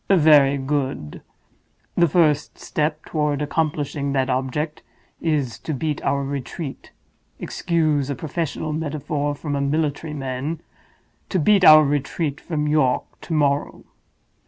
"Very good. The first step toward accomplishing that object is to beat our retreat—excuse a professional metaphor from a military man—to beat our retreat from York to morrow.